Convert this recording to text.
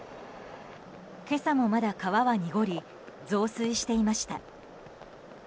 今朝もまだ川は濁り増水していました。